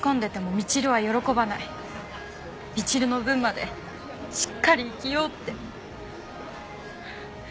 みちるの分までしっかり生きようって。